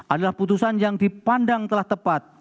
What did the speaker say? adalah putusan yang dipandang telah tepat